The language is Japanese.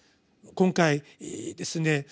今回ですね